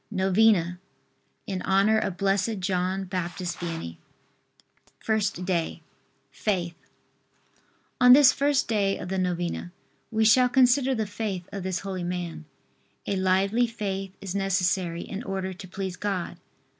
NOVENA IN HONOR OF BLESSED JOHN BAPTIST VIANNEY. FIRST DAY. FAITH. On this first day of the novena we shall consider the faith of this holy man. A lively faith is necessary in order to please God.